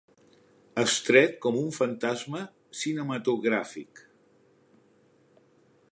Estret com un fantasma cinematogràfic.